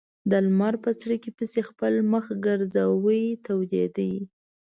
د لمر په څړیکې پسې خپل مخ ګرځاوه تودېده.